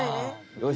よし！